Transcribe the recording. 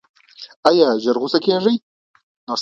ایا ژر غوسه کیږئ؟